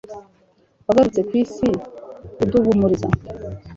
wagarutse ku isi kuduhumuriza